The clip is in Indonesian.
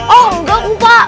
oh enggak kumpah